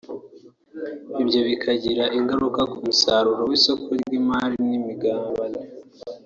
ibyo bikagira ingaruka ku musaruro w’isoko ry’imari n’imigabane